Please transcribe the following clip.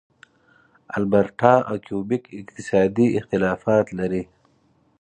البرټا او کیوبیک اقتصادي اختلافات لري.